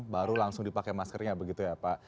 baru langsung dipakai maskernya begitu ya pak